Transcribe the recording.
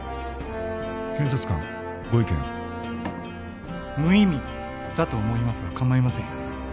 検察官ご意見を無意味だと思いますが構いませんよ